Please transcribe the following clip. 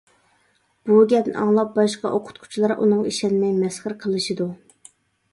بۇ گەپنى ئاڭلاپ باشقا ئوقۇتقۇچىلار ئۇنىڭغا ئىشەنمەي مەسخىرە قىلىشىدۇ.